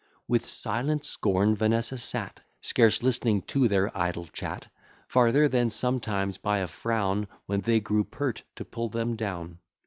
With silent scorn Vanessa sat, Scarce listening to their idle chat; Farther than sometimes by a frown, When they grew pert, to pull them down.